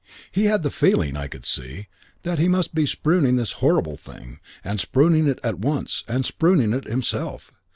He had the feeling, I could see, that he must be spurning this horrible thing, and spurning it at once, and spurning it himself.